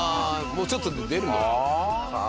もうちょっとで出るんだ。